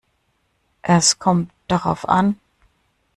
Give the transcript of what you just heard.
Es kommt darauf an.